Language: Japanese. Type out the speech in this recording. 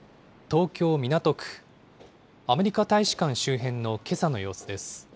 東京・港区、アメリカ大使館周辺のけさの様子です。